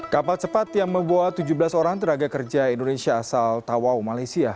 kapal cepat yang membawa tujuh belas orang tenaga kerja indonesia asal tawau malaysia